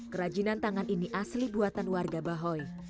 kerajinan tangan ini asli buatan warga bahoy